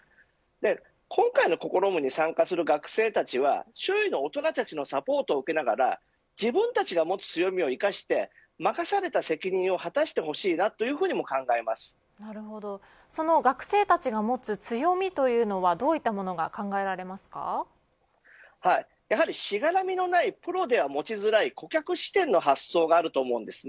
今回の試みに参加する学生たちは周囲の大人たちのサポートを受けながら自分たちが持つ強みを生かして任された責任をその学生たちが持つ強みというのはどういったものがやはりしがらみのないプロでは持ちづらい顧客視点の発想があると思います。